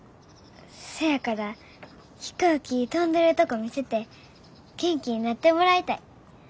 せやから飛行機飛んでるとこ見せて元気になってもらいたい。